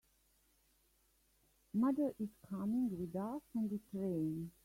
Mother is coming with us on the train.